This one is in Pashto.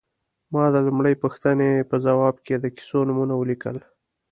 ما د لومړۍ پوښتنې په ځواب کې د کیسو نومونه ولیکل.